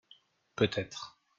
Peut-être.